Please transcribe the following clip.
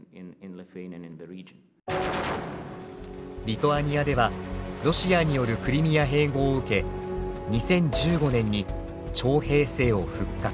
リトアニアではロシアによるクリミア併合を受け２０１５年に徴兵制を復活。